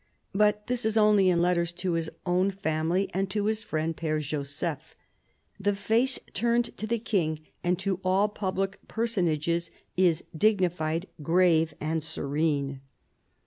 But this is only in letters to his own family and to his friend Pere Joseph : the face turned to the King and to all public personages is dignified, grave and serene.